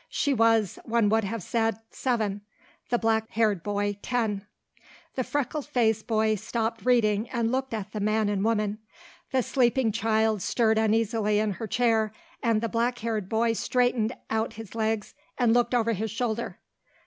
She was, one would have said, seven, the black haired boy ten. The freckle faced boy stopped reading and looked at the man and woman; the sleeping child stirred uneasily in her chair, and the black haired boy straightened out his legs and looked over his shoulder.